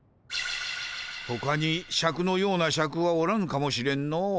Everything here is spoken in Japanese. ほかにシャクのようなシャクはおらぬかもしれんの。